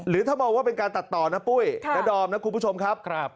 ถ้ามองว่าเป็นการตัดต่อนะปุ้ยนะดอมนะคุณผู้ชมครับ